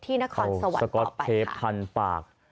ที่นครสวรรค์ต่อไปค่ะโอ้โฮสก็อตเทปพันธุ์ปาก